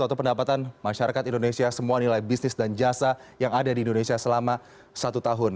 atau pendapatan masyarakat indonesia semua nilai bisnis dan jasa yang ada di indonesia selama satu tahun